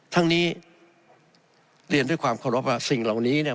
ทั้งนี้เรียนด้วยความเคารพว่าสิ่งเหล่านี้เนี่ย